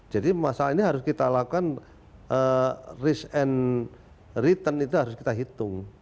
jadi masalah ini harus kita lakukan risk and return itu harus kita hitung